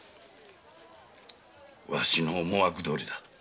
わしの思惑どおりだ。